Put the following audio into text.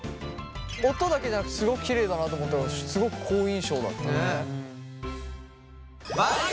音だけじゃなくてすごくきれいだなと思ったからすごく好印象だったね。